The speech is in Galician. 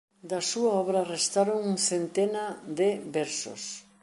Da súa obra restaron un centena de versos.